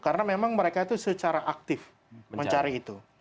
karena memang mereka itu secara aktif mencari itu